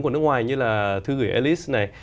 của nước ngoài như là thư gửi alice này